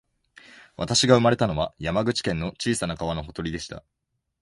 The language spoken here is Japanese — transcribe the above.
私が生まれたのは、山口県の小さな川のほとりでした